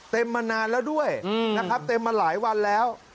มานานแล้วด้วยนะครับเต็มมาหลายวันแล้ว